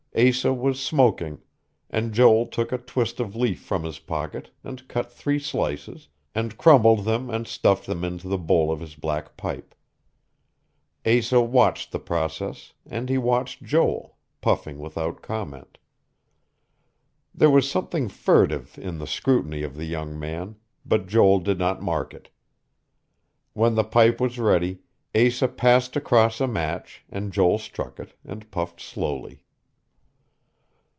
Asa was smoking; and Joel took a twist of leaf from his pocket, and cut three slices, and crumbled them and stuffed them into the bowl of his black pipe. Asa watched the process, and he watched Joel, puffing without comment. There was something furtive in the scrutiny of the young man, but Joel did not mark it. When the pipe was ready, Asa passed across a match, and Joel struck it, and puffed slowly....